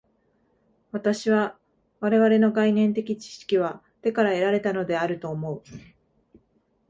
私は我々の概念的知識は手から得られたのであると思う。